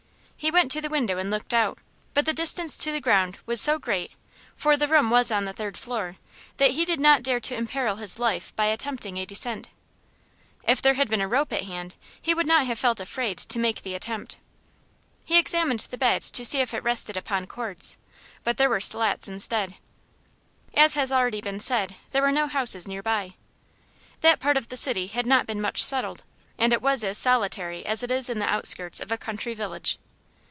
He went to the window and looked out, but the distance to the ground was so great for the room was on the third floor that he did not dare to imperil his life by attempting a descent. If there had been a rope at hand he would not have felt afraid to make the attempt. He examined the bed to see if it rested upon cords, but there were slats instead. As has already been said, there were no houses near by. That part of the city had not been much settled, and it was as solitary as it is in the outskirts of a country village.